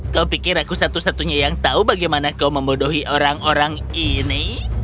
kau pikir aku satu satunya yang tahu bagaimana kau membodohi orang orang ini